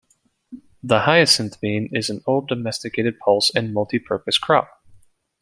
The hyacinth bean is an old domesticated pulse and multi-purpose crop.